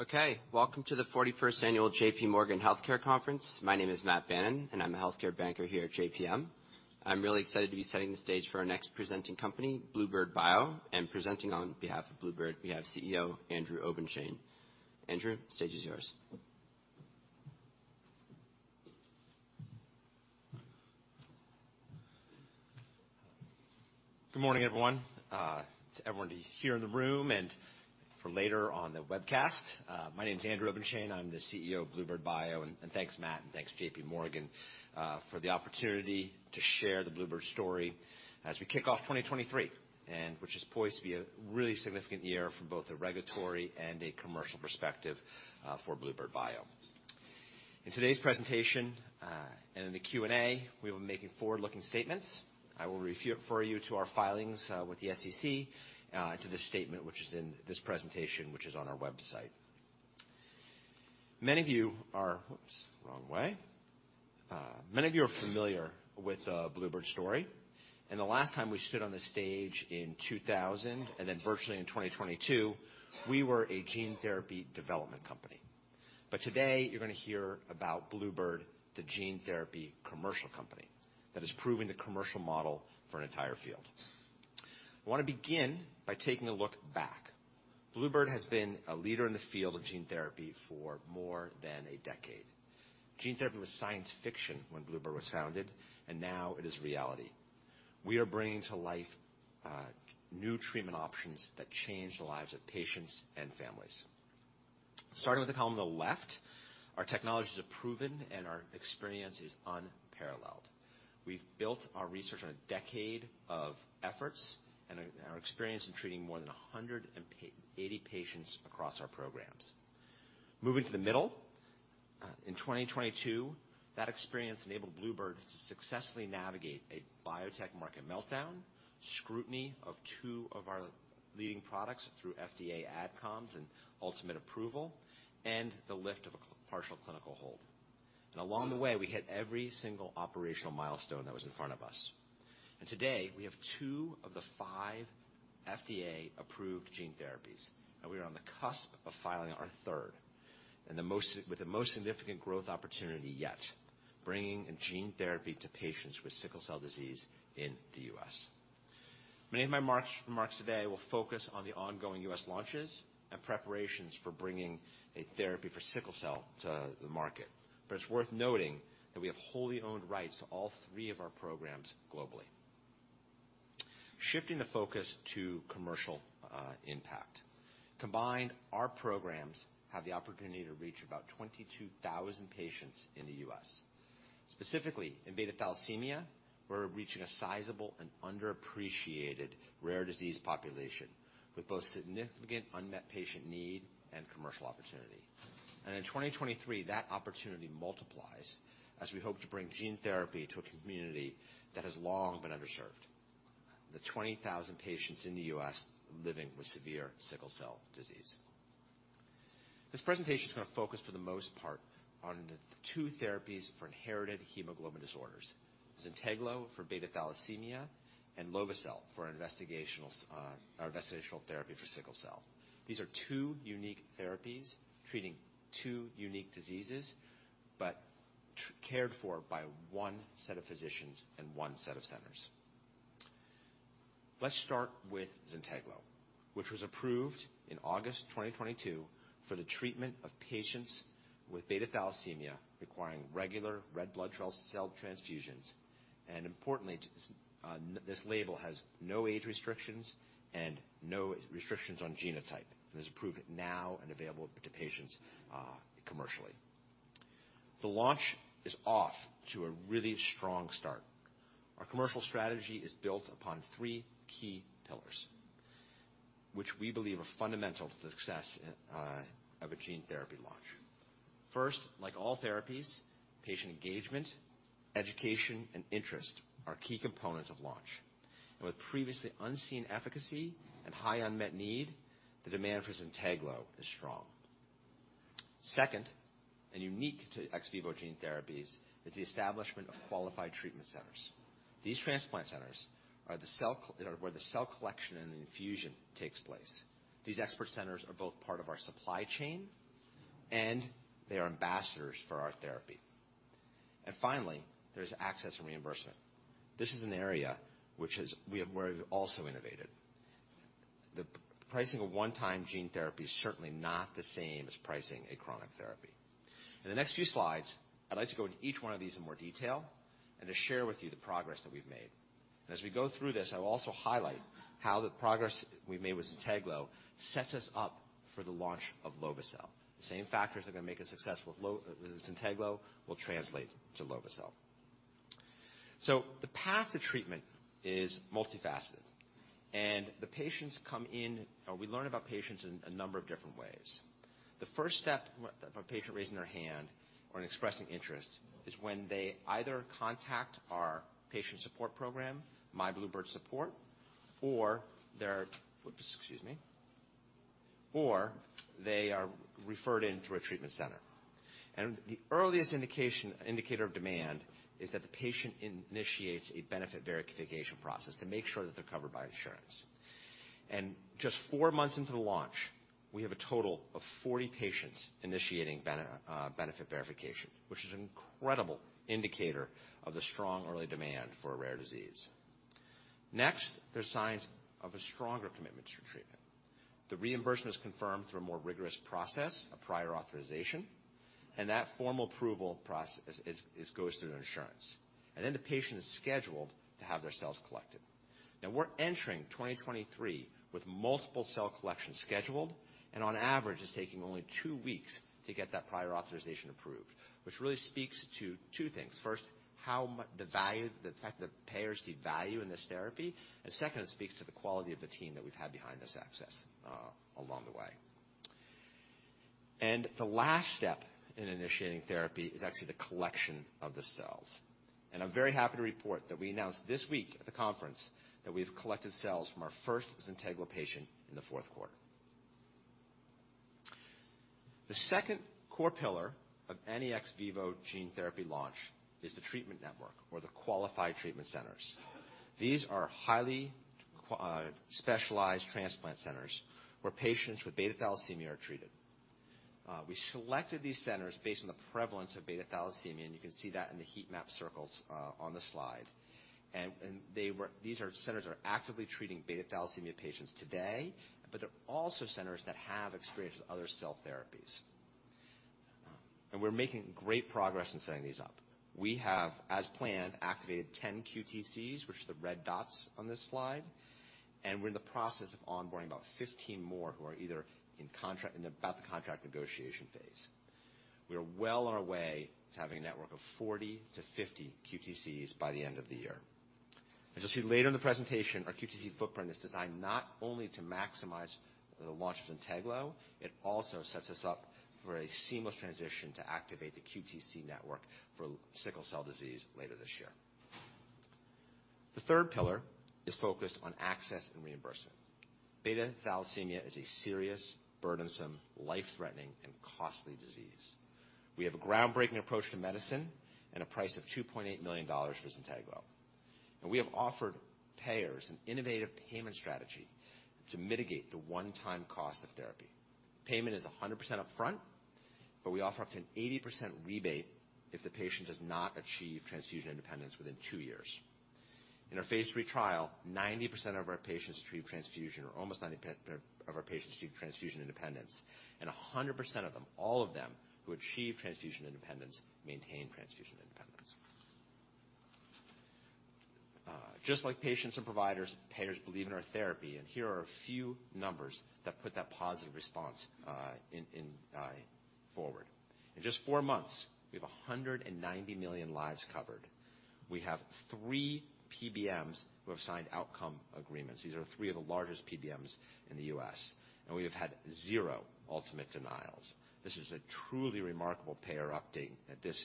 Okay. Welcome to the 41st annual J.P. Morgan Healthcare Conference. My name is Matt Bannon, and I'm a healthcare banker here at JPM. I'm really excited to be setting the stage for our next presenting company, bluebird bio. Presenting on behalf of bluebird, we have CEO, Andrew Obenshain. Andrew, stage is yours. Good morning, everyone. To everyone here in the room and for later on the webcast, my name is Andrew Obenshain, I'm the CEO of bluebird bio. Thanks, Matt, and thanks, JPMorgan, for the opportunity to share the bluebird story as we kick off 2023, and which is poised to be a really significant year from both a regulatory and a commercial perspective, for bluebird bio. In today's presentation, and in the Q&A, we will be making forward-looking statements. I will refer you to our filings, with the SEC, to the statement which is in this presentation, which is on our website. Oops, wrong way. Many of you are familiar with bluebird's story. The last time we stood on this stage in 2000, then virtually in 2022, we were a gene therapy development company. Today you're gonna hear about bluebird, the gene therapy commercial company that is proving the commercial model for an entire field. I wanna begin by taking a look back. Bluebird has been a leader in the field of gene therapy for more than a decade. Gene therapy was science fiction when bluebird was founded, and now it is reality. We are bringing to life new treatment options that change the lives of patients and families. Starting with the column on the left, our technologies are proven and our experience is unparalleled. We've built our research on a decade of efforts and our experience in treating more than 180 patients across our programs. Moving to the middle, in 2022, that experience enabled bluebird bio to successfully navigate a biotech market meltdown, scrutiny of two of our leading products through FDA ad coms and ultimate approval, and the lift of a partial clinical hold. Along the way, we hit every single operational milestone that was in front of us. Today we have two of the five FDA-approved gene therapies, and we are on the cusp of filing our third, with the most significant growth opportunity yet, bringing a gene therapy to patients with sickle cell disease in the U.S. Many of my marks today will focus on the ongoing U.S. launches and preparations for bringing a therapy for sickle cell to the market. It's worth noting that we have wholly owned rights to all three of our programs globally. Shifting the focus to commercial impact. Combined, our programs have the opportunity to reach about 22,000 patients in the U.S. Specifically, in beta-thalassemia, we're reaching a sizable and underappreciated rare disease population with both significant unmet patient need and commercial opportunity. In 2023, that opportunity multiplies as we hope to bring gene therapy to a community that has long been underserved, the 20,000 patients in the U.S. living with severe sickle cell disease. This presentation is gonna focus for the most part on the two therapies for inherited hemoglobin disorders, ZYNTEGLO for beta-thalassemia, and lovo-cel for investigational, our investigational therapy for sickle cell. These are two unique therapies treating two unique diseases, but cared for by one set of physicians and one set of centers. Let's start with ZYNTEGLO, which was approved in August 2022 for the treatment of patients with beta-thalassemia requiring regular red blood cell transfusions. Importantly, this label has no age restrictions and no restrictions on genotype, and is approved now and available to patients commercially. The launch is off to a really strong start. Our commercial strategy is built upon three key pillars, which we believe are fundamental to the success of a gene therapy launch. First, like all therapies, patient engagement, education, and interest are key components of launch. With previously unseen efficacy and high unmet need, the demand for ZYNTEGLO is strong. Second, unique to ex vivo gene therapies, is the establishment of Qualified Treatment Centers. These transplant centers are where the cell collection and infusion takes place. These expert centers are both part of our supply chain, and they are ambassadors for our therapy. Finally, there's access and reimbursement. This is an area where we've also innovated. The pricing of one-time gene therapy is certainly not the same as pricing a chronic therapy. In the next few slides, I'd like to go into each one of these in more detail and to share with you the progress that we've made. As we go through this, I will also highlight how the progress we've made with ZYNTEGLO sets us up for the launch of lovo-cel. The same factors that are gonna make us successful with ZYNTEGLO will translate to lovo-cel. The path to treatment is multifaceted, and the patients come in. We learn about patients in a number of different ways. The first step of a patient raising their hand or in expressing interest is when they either contact our patient support program, my bluebird support, or they are referred in through a treatment center. And the earliest indicator of demand is that the patient initiates a benefit verification process to make sure that they're covered by insurance. Just four months into the launch, we have a total of 40 patients initiating benefit verification, which is an incredible indicator of the strong early demand for a rare disease. Next, there's signs of a stronger commitment to treatment. The reimbursement is confirmed through a more rigorous process of prior authorization, and that formal approval process is goes through an insurance. Then the patient is scheduled to have their cells collected. Now we're entering 2023 with multiple cell collections scheduled, and on average, it's taking only two weeks to get that prior authorization approved, which really speaks to two things. First, how the value, the fact that payers see value in this therapy. Second, it speaks to the quality of the team that we've had behind this access along the way. The last step in initiating therapy is actually the collection of the cells. I'm very happy to report that we announced this week at the conference that we've collected cells from our first ZYNTEGLO patient in the fourth quarter. The second core pillar of any ex vivo gene therapy launch is the treatment network or the Qualified Treatment Centers. These are highly specialized transplant centers where patients with beta-thalassemia are treated. We selected these centers based on the prevalence of beta thalassemia, and you can see that in the heat map circles on the slide. These are centers that are actively treating beta thalassemia patients today, but they're also centers that have experience with other cell therapies. We're making great progress in setting these up. We have, as planned, activated 10 QTCs, which are the red dots on this slide, and we're in the process of onboarding about 15 more who are either in about the contract negotiation phase. We are well on our way to having a network of 40-50 QTCs by the end of the year. As you'll see later in the presentation, our QTC footprint is designed not only to maximize the launch of ZYNTEGLO, it also sets us up for a seamless transition to activate the QTC network for sickle cell disease later this year. The third pillar is focused on access and reimbursement. beta thalassemia is a serious, burdensome, life-threatening, and costly disease. We have a groundbreaking approach to medicine and a price of $2.8 million for ZYNTEGLO. We have offered payers an innovative payment strategy to mitigate the one-time cost of therapy. Payment is 100% upfront, but we offer up to an 80% rebate if the patient does not achieve transfusion independence within two years. In our phase III trial, 90% of our patients achieve transfusion or almost 90% of our patients achieve transfusion independence, and 100% of them, all of them who achieve transfusion independence, maintain transfusion independence. Just like patients and providers, payers believe in our therapy, and here are a few numbers that put that positive response in, forward. In just four months, we have $190 million lives covered. We have three PBMs who have signed outcome agreements. These are three of the largest PBMs in the U.S., and we have had zero ultimate denials. This is a truly remarkable payer update at this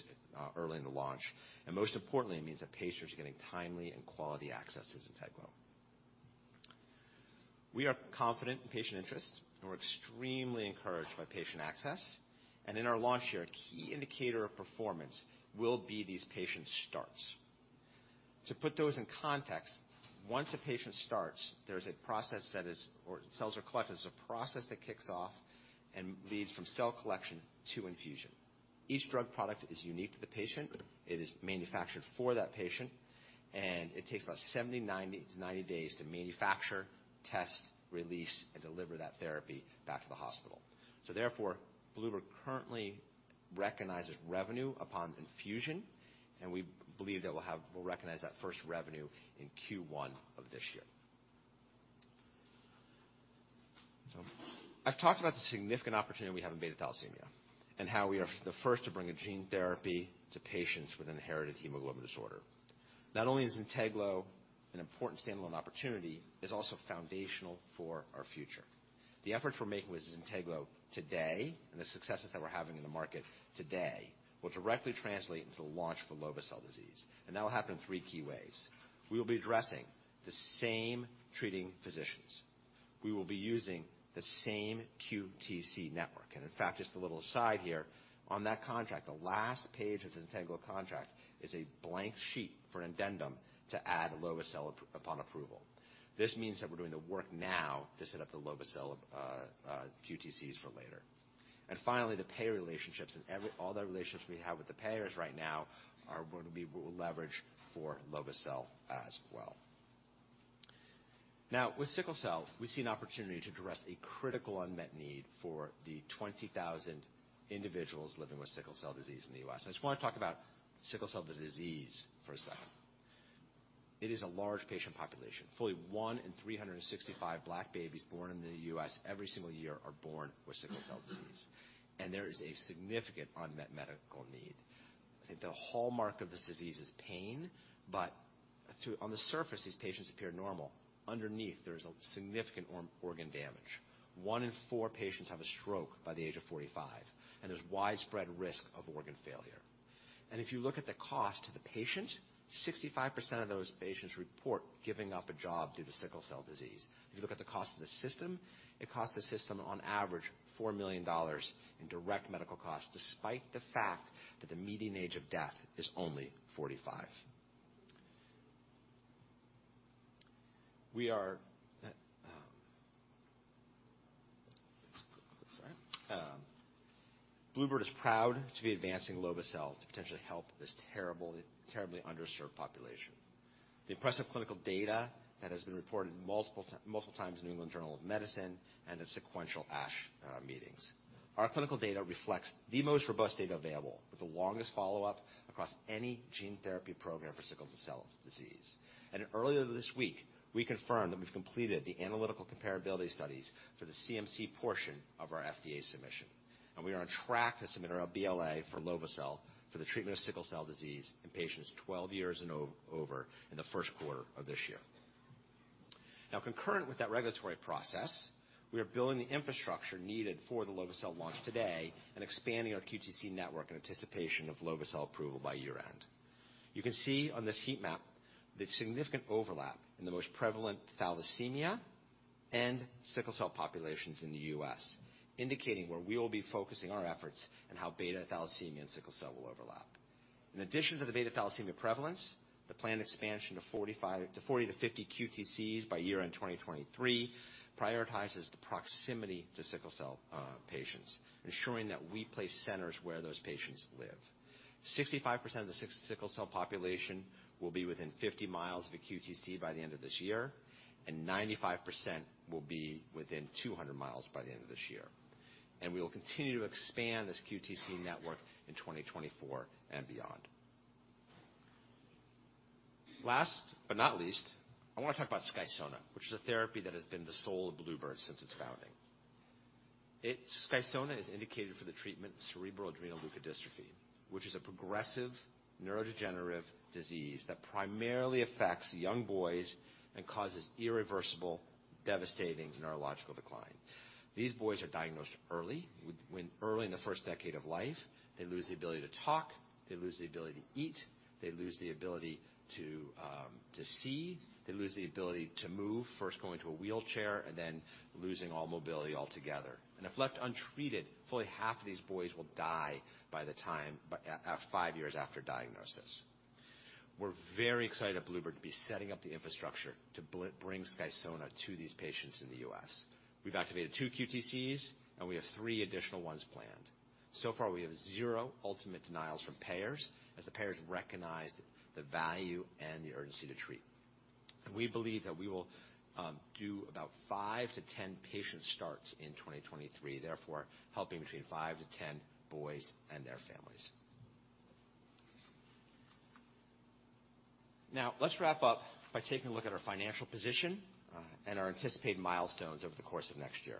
early in the launch, and most importantly, it means that patients are getting timely and quality access to ZYNTEGLO. We are confident in patient interest, and we're extremely encouraged by patient access. In our launch year, a key indicator of performance will be these patient starts. To put those in context, once a patient starts, there's a process Or cells are collected, there's a process that kicks off and leads from cell collection to infusion. Each drug product is unique to the patient. It is manufactured for that patient, and it takes about 70, 90 days to manufacture, test, release, and deliver that therapy back to the hospital. Therefore, bluebird bio currently recognizes revenue upon infusion, and we believe that we'll recognize that first revenue in Q1 of this year. I've talked about the significant opportunity we have in beta-thalassemia and how we are the first to bring a gene therapy to patients with inherited hemoglobin disorder. Not only is ZYNTEGLO an important standalone opportunity, it's also foundational for our future. The efforts we're making with ZYNTEGLO today and the successes that we're having in the market today will directly translate into the launch for lovo-cel disease. That will happen in three key ways. We'll be addressing the same treating physicians. We will be using the same QTC network. In fact, just a little aside here, on that contract, the last page of the ZYNTEGLO contract is a blank sheet for addendum to add lovo-cel upon approval. This means that we're doing the work now to set up the lovo-cel QTCs for later. Finally, all the relationships we have with the payers right now are going to be leverage for lovo-cel as well. Now, with sickle cell, we see an opportunity to address a critical unmet need for the 20,000 individuals living with sickle cell disease in the U.S. I just wanna talk about sickle cell disease for a second. It is a large patient population. Fully one in 365 Black babies born in the U.S. every single year are born with sickle cell disease. There is a significant unmet medical need. I think the hallmark of this disease is pain, but on the surface, these patients appear normal. Underneath, there is a significant organ damage. one in four patients have a stroke by the age of 45, and there's widespread risk of organ failure. If you look at the cost to the patient, 65% of those patients report giving up a job due to sickle cell disease. If you look at the cost to the system, it costs the system on average $4 million in direct medical costs, despite the fact that the median age of death is only 45. We are sorry. bluebird is proud to be advancing lovo-cel to potentially help this terrible, terribly underserved population. The impressive clinical data that has been reported multiple times in New England Journal of Medicine and at sequential ASH meetings. Our clinical data reflects the most robust data available with the longest follow-up across any gene therapy program for sickle cell disease. Earlier this week, we confirmed that we've completed the analytical comparability studies for the CMC portion of our FDA submission, and we are on track to submit our BLA for lovo-cel for the treatment of sickle cell disease in patients 12 years and over in the first quarter of this year. Concurrent with that regulatory process, we are building the infrastructure needed for the lovo-cel launch today and expanding our QTC network in anticipation of lovo-cel approval by year-end. You can see on this heat map the significant overlap in the most prevalent thalassemia and sickle cell populations in the U.S., indicating where we will be focusing our efforts and how beta thalassemia and sickle cell will overlap. In addition to the beta thalassemia prevalence, the planned expansion to 40-50 QTCs by year-end 2023 prioritizes the proximity to sickle cell patients, ensuring that we place centers where those patients live. 65% of the sickle cell population will be within 50 mi of a QTC by the end of this year, 95% will be within 200 mi by the end of this year. We will continue to expand this QTC network in 2024 and beyond. Last but not least, I wanna talk about Skysona, which is a therapy that has been the soul of bluebird since its founding. Skysona is indicated for the treatment of cerebral adrenoleukodystrophy, which is a progressive neurodegenerative disease that primarily affects young boys and causes irreversible, devastating neurological decline. These boys are diagnosed early in the first decade of life. They lose the ability to talk. They lose the ability to eat. They lose the ability to see. They lose the ability to move, first go into a wheelchair, and then losing all mobility altogether. If left untreated, fully half of these boys will die by the time, at five years after diagnosis. We're very excited at bluebird bio to be setting up the infrastructure to bring Skysona to these patients in the U.S. We've activated two QTCs, we have three additional ones planned. Far, we have zero ultimate denials from payers, as the payers recognized the value and the urgency to treat. We believe that we will do about five to 10 patient starts in 2023, therefore helping between five to 10 boys and their families. Now, let's wrap up by taking a look at our financial position and our anticipated milestones over the course of next year.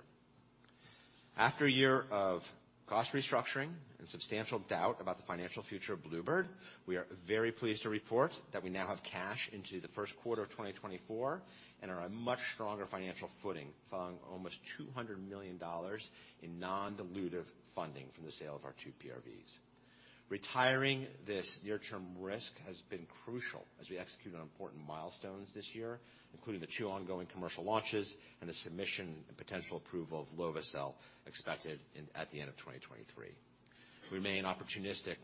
After a year of cost restructuring and substantial doubt about the financial future of bluebird bio, we are very pleased to report that we now have cash into the first quarter of 2024 and are on a much stronger financial footing, following almost $200 million in non-dilutive funding from the sale of our two PRVs. Retiring this near-term risk has been crucial as we execute on important milestones this year, including the 2 ongoing commercial launches and the submission and potential approval of lovo-cel expected at the end of 2023. We remain opportunistic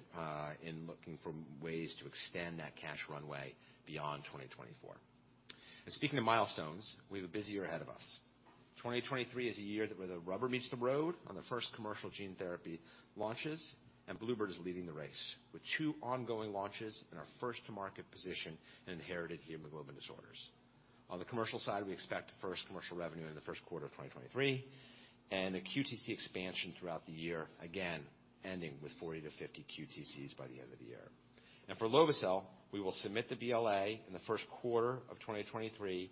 in looking for ways to extend that cash runway beyond 2024. Speaking of milestones, we have a busy year ahead of us. 2023 is a year that where the rubber meets the road on the first commercial gene therapy launches, and bluebird bio is leading the race with two ongoing launches and our first to market position in inherited hemoglobin disorders. On the commercial side, we expect first commercial revenue in the first quarter of 2023 and a QTC expansion throughout the year, again, ending with 40-50 QTCs by the end of the year. For lovo-cel, we will submit the BLA in the first quarter of 2023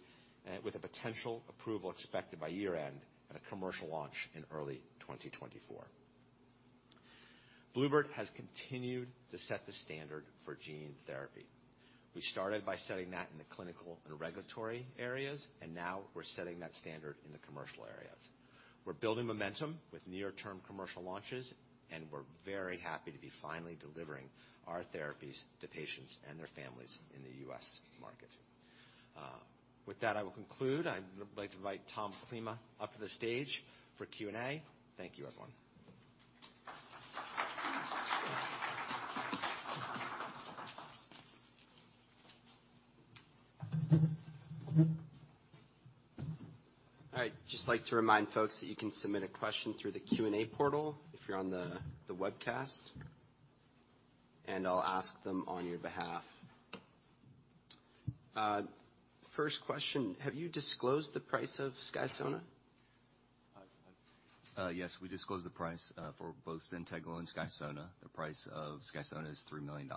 with a potential approval expected by year-end and a commercial launch in early 2024. bluebird bio has continued to set the standard for gene therapy. We started by setting that in the clinical and regulatory areas. Now we're setting that standard in the commercial areas. We're building momentum with near term commercial launches. We're very happy to be finally delivering our therapies to patients and their families in the U.S. market. With that, I will conclude. I'd like to invite Tom Klima up to the stage for Q&A. Thank you, everyone. All right. Just like to remind folks that you can submit a question through the Q&A portal if you're on the webcast, and I'll ask them on your behalf. First question, have you disclosed the price of Skysona? Yes. We disclosed the price, for both ZYNTEGLO and Skysona. The price of Skysona is $3 million.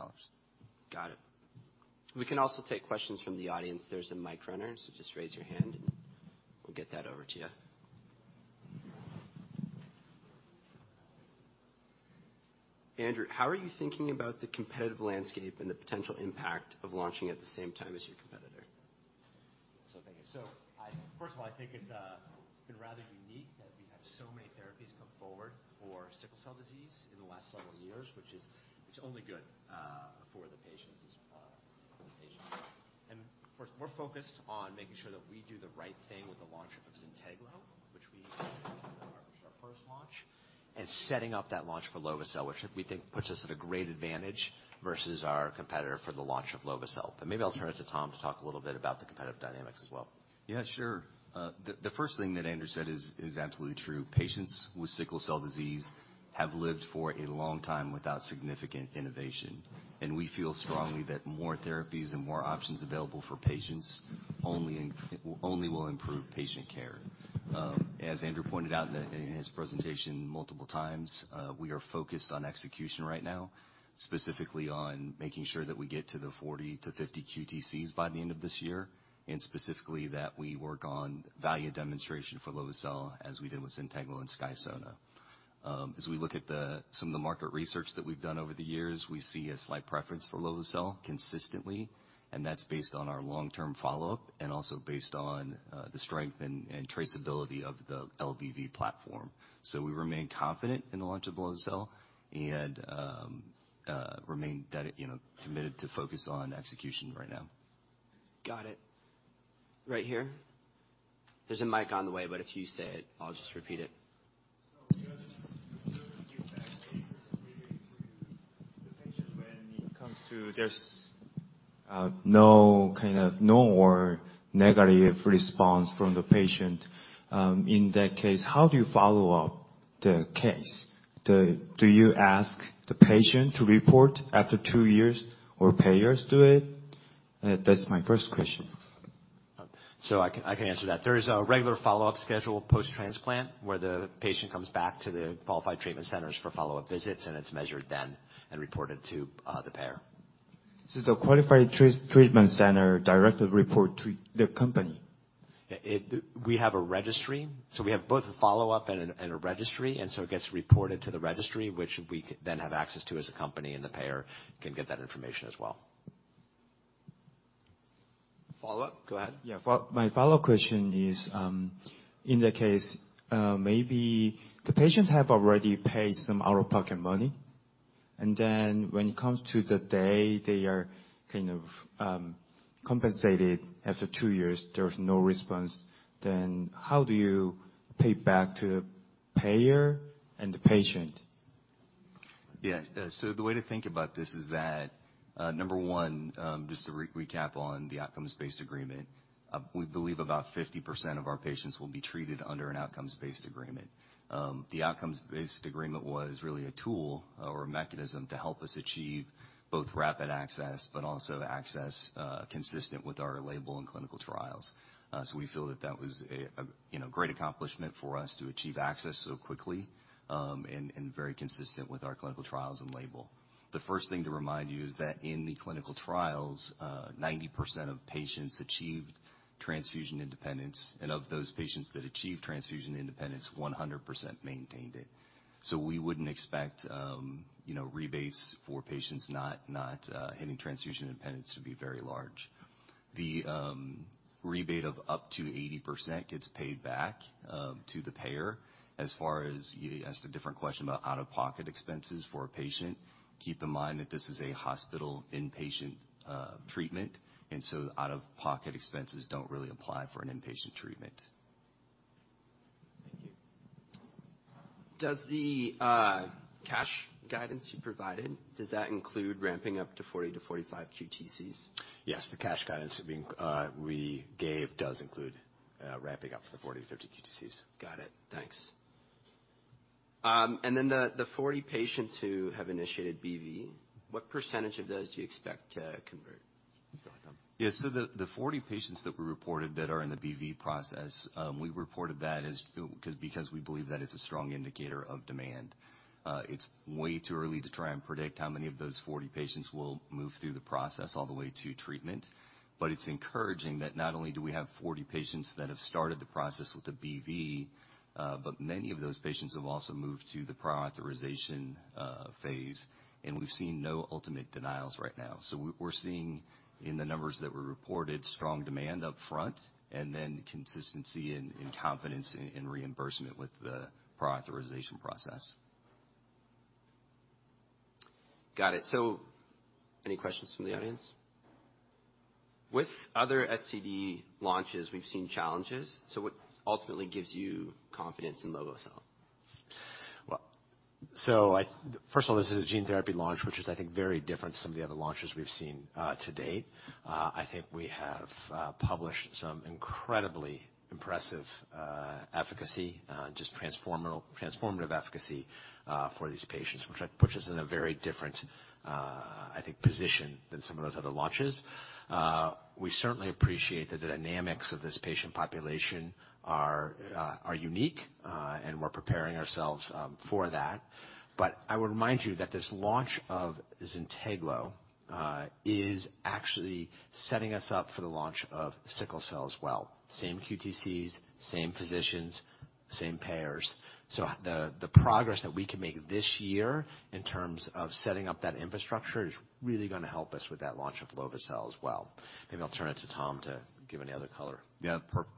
Got it. We can also take questions from the audience. There's a mic runner, so just raise your hand and we'll get that over to you. Andrew, how are you thinking about the competitive landscape and the potential impact of launching at the same time as your competitor? I first of all, I think it's been rather unique that we've had so many therapies come forward for sickle cell disease in the last several years, which is only good for the patients, for the patients. Of course, we're focused on making sure that we do the right thing with the launch of ZYNTEGLO, which we see as our first launch, and setting up that launch for lovo-cel, which we think puts us at a great advantage versus our competitor for the launch of lovo-cel. Maybe I'll turn it to Tom to talk a little bit about the competitive dynamics as well. Yeah, sure. The first thing that Andrew said is absolutely true. Patients with sickle cell disease have lived for a long time without significant innovation. We feel strongly that more therapies and more options available for patients only will improve patient care. As Andrew pointed out in his presentation multiple times, we are focused on execution right now, specifically on making sure that we get to the 40-50 QTCs by the end of this year, and specifically that we work on value demonstration for lovo-cel as we did with ZYNTEGLO and Skysona. As we look at some of the market research that we've done over the years, we see a slight preference for lovo-cel consistently. That's based on our long-term follow-up and also based on the strength and traceability of the LVV platform. We remain confident in the launch of lovo-cel and remain dedicated, you know, committed to focus on execution right now. Got it. Right here. There's a mic on the way, but if you say it, I'll just repeat it. The other thing the patient when it comes to there's no kind of no or negative response from the patient. In that case, how do you follow up the case? Do you ask the patient to report after two years or payers do it? That's my first question. I can answer that. There is a regular follow-up schedule post-transplant, where the patient comes back to the Qualified Treatment Centers for follow-up visits, and it's measured then and reported to the payer. The Qualified Treatment Center directly report to the company? We have a registry. We have both a follow-up and a registry, and so it gets reported to the registry, which we then have access to as a company, and the payer can get that information as well. Follow-up? Go ahead. Yeah. My follow-up question is, in the case, maybe the patients have already paid some out-of-pocket money, and then when it comes to the day they are kind of compensated after two years, there's no response, then how do you pay back to the payer and the patient? The way to think about this is that, number one, just to recap on the outcomes-based agreement, we believe about 50% of our patients will be treated under an outcomes-based agreement. The outcomes-based agreement was really a tool or a mechanism to help us achieve both rapid access but also access, consistent with our label and clinical trials. We feel that that was a, you know, great accomplishment for us to achieve access so quickly, and very consistent with our clinical trials and label. The first thing to remind you is that in the clinical trials, 90% of patients achieved transfusion independence, and of those patients that achieved transfusion independence, 100% maintained it. We wouldn't expect, you know, rebates for patients not hitting transfusion independence to be very large. The rebate of up to 80% gets paid back to the payer. As far as you asked a different question about out-of-pocket expenses for a patient, keep in mind that this is a hospital inpatient treatment, and so out-of-pocket expenses don't really apply for an inpatient treatment. Thank you. Does the cash guidance you provided, does that include ramping up to 40-45 QTCs? Yes. The cash guidance we gave does include ramping up to the 40-50 QTCs. Got it. Thanks. The 40 patients who have initiated BV, what percentage of those do you expect to convert? Go ahead, Tom. Yes. The 40 patients that we reported that are in the BV process, we reported that as because we believe that is a strong indicator of demand. It's way too early to try and predict how many of those 40 patients will move through the process all the way to treatment. It's encouraging that not only do we have 40 patients that have started the process with the BV, but many of those patients have also moved to the prior authorization phase, and we've seen no ultimate denials right now. We're seeing in the numbers that were reported strong demand up front and then consistency and confidence in reimbursement with the prior authorization process. Got it. Any questions from the audience? With other SCD launches, we've seen challenges, what ultimately gives you confidence in lovo-cel? First of all, this is a gene therapy launch, which is, I think, very different to some of the other launches we've seen to date. I think we have published some incredibly impressive efficacy, just transformative efficacy for these patients, which puts us in a very different, I think, position than some of those other launches. We certainly appreciate that the dynamics of this patient population are unique, and we're preparing ourselves for that. I would remind you that this launch of ZYNTEGLO is actually setting us up for the launch of sickle cell as well. Same QTCs, same physicians. Same payers. The progress that we can make this year in terms of setting up that infrastructure is really gonna help us with that launch of lovo-cel as well. Maybe I'll turn it to Tom to give any other color.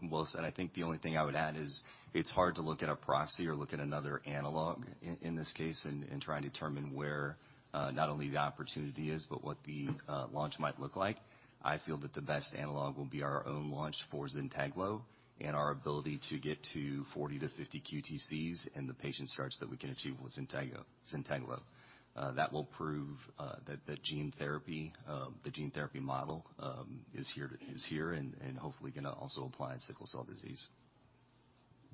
Well said. I think the only thing I would add is it's hard to look at a proxy or look at another analog in this case in trying to determine where not only the opportunity is, but what the launch might look like. I feel that the best analog will be our own launch for ZYNTEGLO and our ability to get to 40-50 QTCs and the patient starts that we can achieve with ZYNTEGLO. That will prove that the gene therapy the gene therapy model is here and hopefully gonna also apply in sickle cell disease.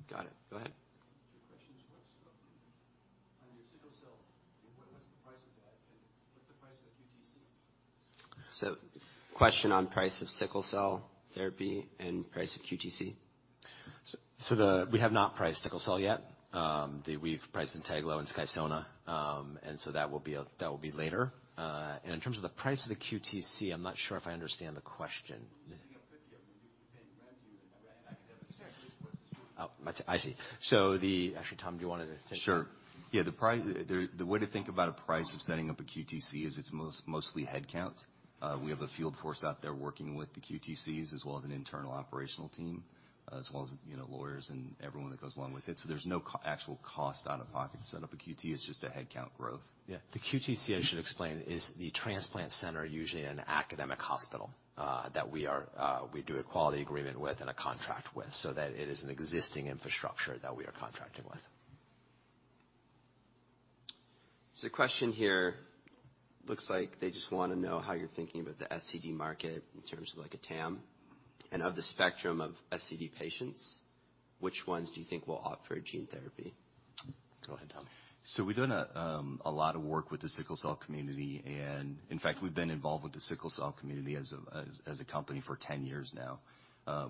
Got it. Go ahead. Two questions. What's on your sickle cell, what is the price of that and what's the price of the QTC? Question on price of sickle cell therapy and price of QTC. We have not priced sickle cell yet. We've priced ZYNTEGLO and Skysona. That will be later. In terms of the price of the QTC, I'm not sure if I understand the question. You can get 50 of them. You pay rent to an academic center. Of course. Oh, I see. Actually, Tom, do you want to? Sure. The way to think about a price of setting up a QTC is it's mostly headcount. We have a field force out there working with the QTCs as well as an internal operational team, as well as, you know, lawyers and everyone that goes along with it. There's no actual cost out of pocket to set up a QTC. It's just a headcount growth. Yeah. The QTC, I should explain, is the transplant center, usually in an academic hospital, that we are, we do a quality agreement with and a contract with, so that it is an existing infrastructure that we are contracting with. There's a question here. Looks like they just wanna know how you're thinking about the SCD market in terms of like a TAM, and of the spectrum of SCD patients, which ones do you think will opt for a gene therapy? Go ahead, Tom. We've done a lot of work with the sickle cell community, and in fact we've been involved with the sickle cell community as a company for 10 years now.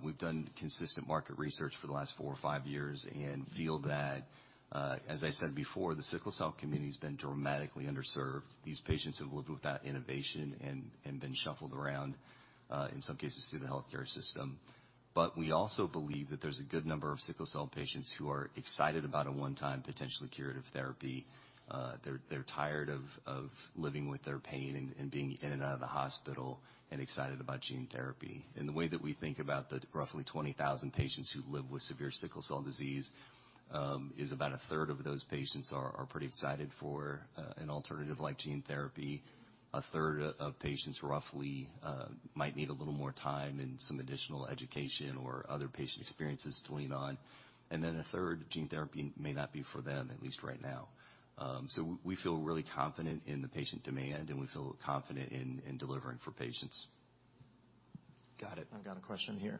We've done consistent market research for the last four or five years and feel that, as I said before, the sickle cell community's been dramatically underserved. These patients have lived without innovation and been shuffled around in some cases through the healthcare system. We also believe that there's a good number of sickle cell patients who are excited about a one-time potentially curative therapy. They're tired of living with their pain and being in and out of the hospital and excited about gene therapy. The way that we think about the roughly 20,000 patients who live with severe sickle cell disease is about a third of those patients are pretty excited for an alternative like gene therapy. A third of patients roughly might need a little more time and some additional education or other patient experiences to lean on. A third, gene therapy may not be for them, at least right now. We feel really confident in the patient demand, and we feel confident in delivering for patients. Got it. I've got a question here.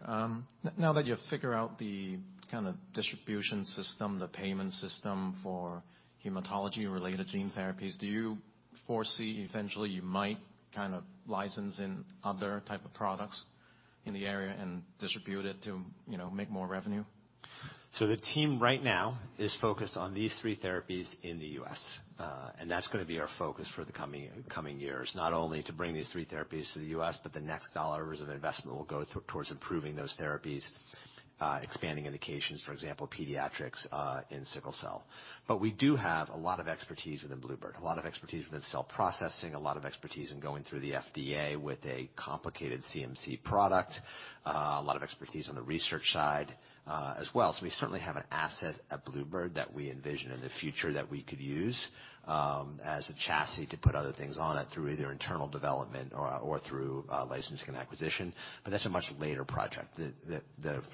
Now that you've figured out the kinda distribution system, the payment system for hematology-related gene therapies, do you foresee eventually you might kind of license in other type of products in the area and distribute it to, you know, make more revenue? The team right now is focused on these three therapies in the U.S., and that's gonna be our focus for the coming years. Not only to bring these three therapies to the U.S., but the next dollars of investment will go towards improving those therapies, expanding indications, for example, pediatrics, in sickle cell disease. We do have a lot of expertise within bluebird bio, a lot of expertise within cell processing, a lot of expertise in going through the FDA with a complicated CMC product, a lot of expertise on the research side, as well. We certainly have an asset at bluebird bio that we envision in the future that we could use as a chassis to put other things on it through either internal development or through licensing and acquisition, but that's a much later project.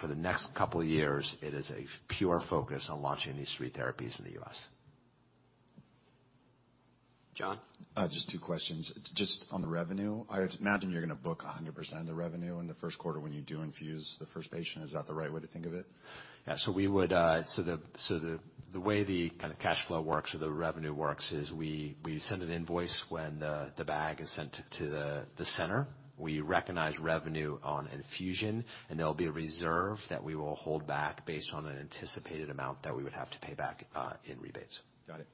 For the next couple of years, it is a pure focus on launching these three therapies in the U.S. John? Just two questions. Just on the revenue, I would imagine you're gonna book 100% of the revenue in the first quarter when you do infuse the first patient. Is that the right way to think of it? Yeah. We would. The way the kinda cash flow works or the revenue works is we send an invoice when the bag is sent to the center. We recognize revenue on infusion. There'll be a reserve that we will hold back based on an anticipated amount that we would have to pay back in rebates. Got it.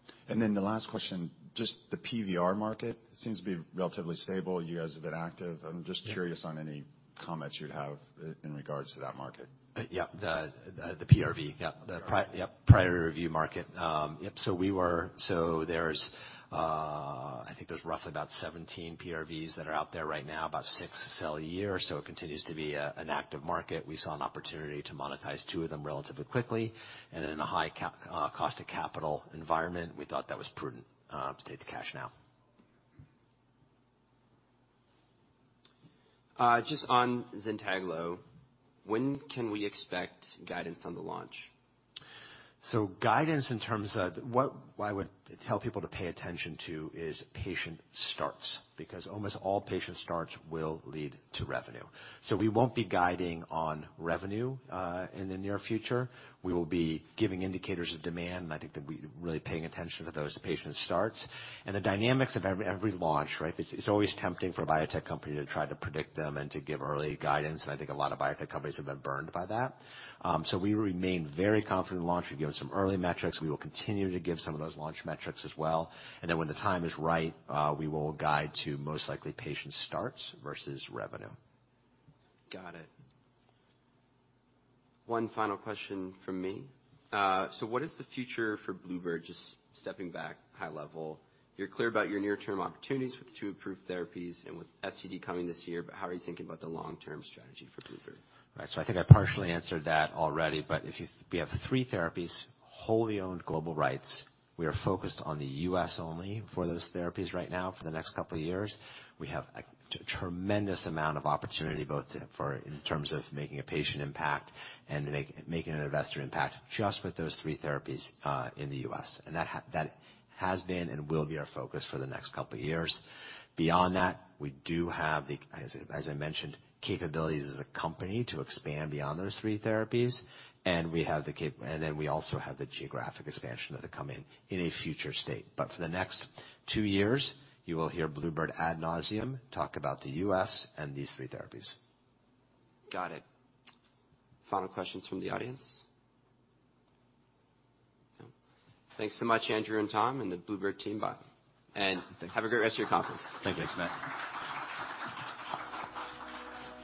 The last question, just the PRV market seems to be relatively stable. You guys have been active. Yeah. I'm just curious on any comments you'd have in regards to that market. Yeah, the PRV. Yeah. PRV. Yeah, priority review market. Yep, there's I think there's roughly about 17 PRVs that are out there right now, about 6 sell a year. It continues to be an active market. We saw an opportunity to monetize two of them relatively quickly, and in a high cost of capital environment, we thought that was prudent to take the cash now. Just on ZYNTEGLO, when can we expect guidance on the launch? Guidance in terms of what I would tell people to pay attention to is patient starts, because almost all patient starts will lead to revenue. We won't be guiding on revenue in the near future. We will be giving indicators of demand, and I think that we really paying attention to those patient starts. The dynamics of every launch, right? It's always tempting for a biotech company to try to predict them and to give early guidance, and I think a lot of biotech companies have been burned by that. We remain very confident in the launch. We've given some early metrics. We will continue to give some of those launch metrics as well. When the time is right, we will guide to most likely patient starts versus revenue. Got it. One final question from me. What is the future for bluebird? Just stepping back high level. You're clear about your near-term opportunities with two approved therapies and with SCD coming this year, how are you thinking about the long-term strategy for bluebird? I think I partially answered that already, but if you. We have three therapies, wholly owned global rights. We are focused on the U.S. only for those therapies right now for the next couple of years. We have a tremendous amount of opportunity both for in terms of making a patient impact and making an investor impact just with those three therapies in the U.S. That has been and will be our focus for the next couple of years. Beyond that, we do have the, as I mentioned, capabilities as a company to expand beyond those three therapies, and we have the. And then we also have the geographic expansion that will come in a future state. For the next two years, you will hear bluebird bio ad nauseam talk about the U.S. and these three therapies. Got it. Final questions from the audience? No. Thanks so much, Andrew and Tom, and the bluebird team. Bye. Thank you. Have a great rest of your conference. Thank you. Thanks, Matt.